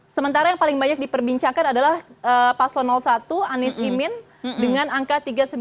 sementara yang paling banyak diperbincangkan adalah paslon satu anies imin dengan angka tiga puluh empat empat ratus